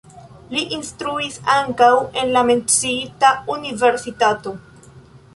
Li instruis ankaŭ en la menciita universitato.